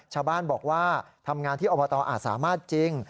ชาวบ้านบอกว่าทำงานที่อบตอาจสามารถจริง